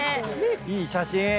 いい写真。